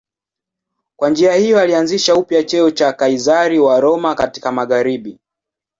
Kwa njia hiyo alianzisha upya cheo cha Kaizari wa Roma katika magharibi.